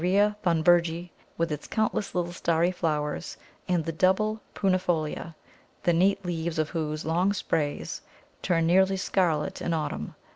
Thunbergi_, with its countless little starry flowers, and the double prunifolia, the neat leaves of whose long sprays turn nearly scarlet in autumn.